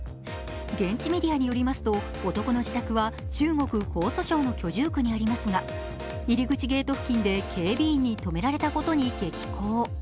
現地メディアによりますと男の自宅は中国・江蘇省の居住区にありますが入り口ゲート付近で警備員に止められたことに激高。